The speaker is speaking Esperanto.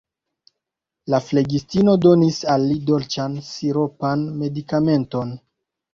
La flegistino donis al li dolĉan, siropan medikamenton.